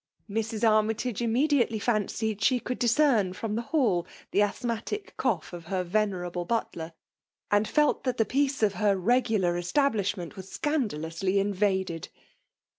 Mrs. Armytage immediately fancied she could discern from the hall the asthmatic cough of her venerable butler, and felt that the peace of her ^' regular " establishment was scandalously invaded.